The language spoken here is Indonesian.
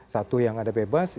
satu yang ada bebas